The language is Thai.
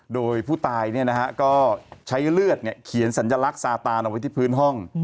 โดยผู้ตายเนี่ยนะฮะก็ใช้เลือดเนี่ยเขียนสัญลักษณ์สาตาลเอาไว้ที่พื้นห้อง